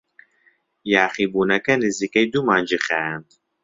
یاخیبوونەکە نزیکەی دوو مانگی خایاند.